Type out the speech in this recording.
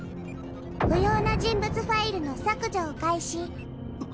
不要な人物ファイルの削除を開始。